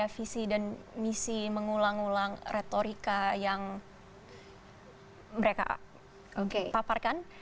visi dan misi mengulang ulang retorika yang mereka paparkan